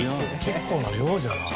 結構な量じゃない？